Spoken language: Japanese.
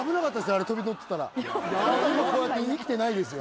あれ飛び乗ってたら今こうやって生きてないですよ